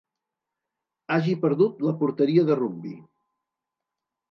Hagi perdut la porteria de rugbi.